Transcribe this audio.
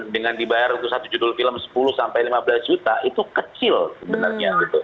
dengan dibayar untuk satu judul film sepuluh sampai lima belas juta itu kecil sebenarnya